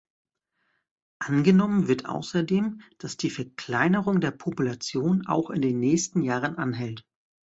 Angenommen wird außerdem, dass die Verkleinerung der Population auch in den nächsten Jahren anhält.